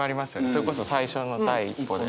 それこそ最初の第一歩で。